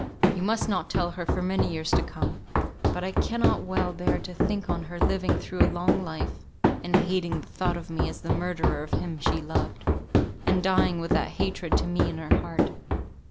You must not tell her for many years to come; but I cannot well bear to think on her living through a long life, and hating the thought of me as the murderer of him she loved, and dying with that hatred to me in her heart.